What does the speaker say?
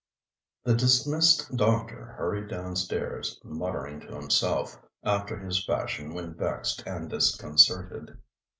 The dismissed doctor hurried downstairs, muttering to himself, after his fashion when vexed and disconcerted.